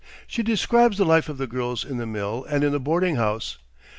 She describes the life of the girls in the mill and in the boarding house.